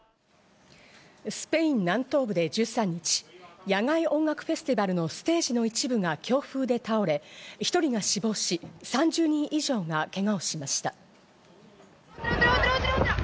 スペイン南東部で１３日、野外音楽フェスティバルのステージの一部が強風で倒れ、１人が死亡し、３０人以上がけがをしました。